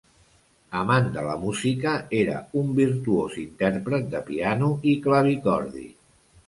Amant de la música, era un virtuós intèrpret de piano i clavicordi.